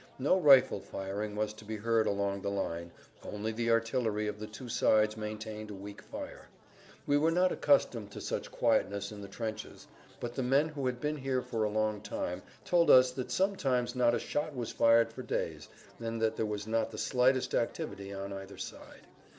No rifle firing was to be heard along the line, only the artillery of the two sides maintained a weak fire. We were not accustomed to such quietness in the trenches, but the men who had been here for a long time told us that sometimes not a shot was fired for days and that there was not the slightest activity on either side.